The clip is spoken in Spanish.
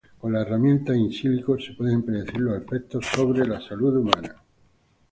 Con las herramientas in silico se pueden predecir los efectos sobre la salud humana.